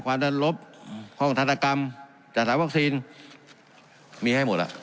ความด้านลบห้องธนกรรมจ่ายสถานวัคซีนมีให้หมดล่ะ